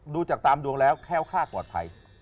ดูจากตามดวงแล้วแค้วคลาดปลอดภัย